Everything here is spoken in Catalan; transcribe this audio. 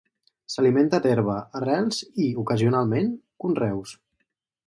S'alimenta d'herba, arrels i, ocasionalment, conreus.